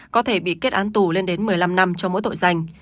có thể bị kết án tù lên đến một mươi năm năm cho mỗi tội danh